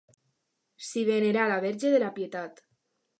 S'hi venera la Verge de la Pietat.